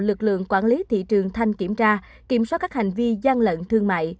lực lượng quản lý thị trường thanh kiểm tra kiểm soát các hành vi gian lận thương mại